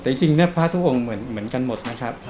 แต่จริงเนี่ยพระทุกองค์เหมือนกันหมดนะครับ